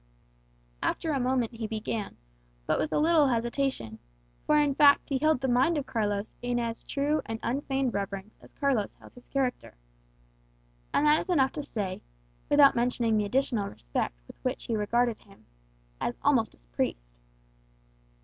After a moment he began, but with a little hesitation, for in fact he held the mind of Carlos in as true and unfeigned reverence as Carlos held his character. And that is enough to say, without mentioning the additional respect with which he regarded him, as almost a priest.